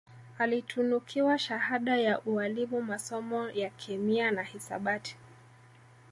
Alitunukiwa shahada ya ualimu masomo ya kemiana hisabati